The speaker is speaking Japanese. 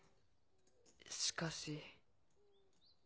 しかし。